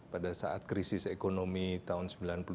pada saat krisis ekonomi tahun sembilan puluh tujuh sembilan puluh delapan